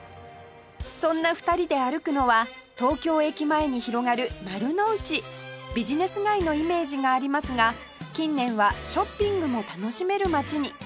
そんな２人で歩くのは東京駅前に広がる丸の内ビジネス街のイメージがありますが近年はショッピングも楽しめる街に